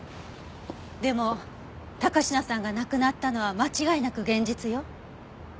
でも高階さんが亡くなったのは間違いなく現実よ。